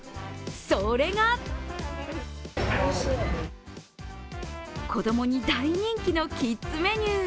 それが子供に大人気のキッズメニュー。